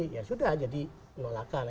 ya sudah jadi menolakkan